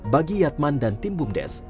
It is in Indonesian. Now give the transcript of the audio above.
bagi yatman dan tim bumdes